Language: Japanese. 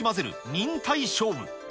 忍耐勝負。